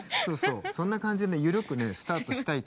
そんな感じでねゆるくスタートしたいと。